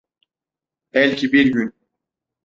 Belki bir gün.